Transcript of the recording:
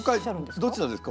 どちらですか？